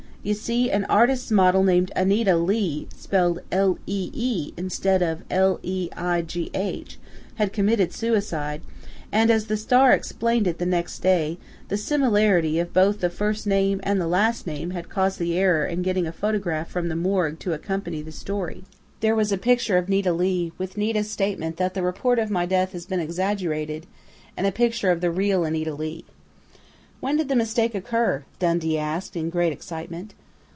You see, an artists' model named Anita Lee spelled L e e, instead of Le i g h had committed suicide, and, as the Star explained it the next day, the similarity of both the first name and the last had caused the error in getting a photograph from the 'morgue' to accompany the story. There was a picture of Nita Leigh, with Nita's statement that 'the report of my death has been exaggerated,' and a picture of the real Anita Lee." "When did the mistake occur?" Dundee asked, in great excitement.